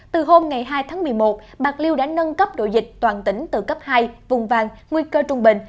từ hôm ngày hai tháng một mươi một bạc liêu đã nâng cấp độ dịch toàn tỉnh từ cấp hai vùng vàng nguy cơ trung bình